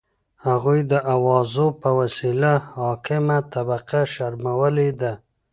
هغوی د اوازو په وسیله حاکمه طبقه شرمولي ده.